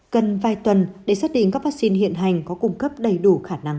cần vài tuần để xác định các vaccine hiện hành có cung cấp đầy đủ khả năng